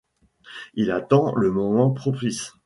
Il attend le moment propice.